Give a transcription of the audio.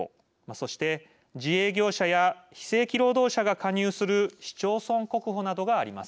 そして自営業者や非正規労働者が加入する市町村国保などがあります。